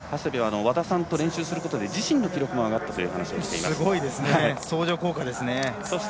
長谷部は和田さんと練習することで自身の記録も上がったと話していました。